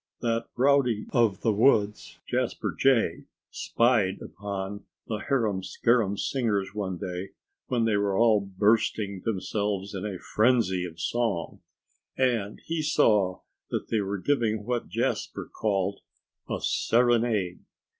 That rowdy of the woods, Jasper Jay, spied upon the harum scarum singers one day, when they were all but bursting themselves in a frenzy of song. And he saw that they were giving what Jasper called "a serenade."